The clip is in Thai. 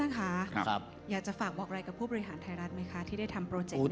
ค่ะอยากจะฝากบอกอะไรกับผู้บริหารไทยรัฐไหมคะที่ได้ทำโปรเจกต์